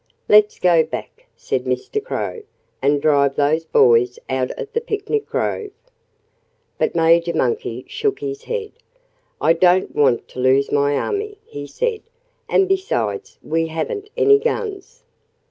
"Let's go back," said Mr. Crow, "and drive those boys out of the picnic grove!" But Major Monkey shook his head. "I don't want to lose my army," he said. "And besides we haven't any guns."